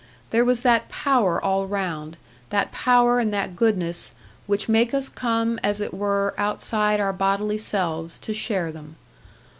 There was that power all round, that power and that goodness, which make us come, as it were, outside our bodily selves, to share them.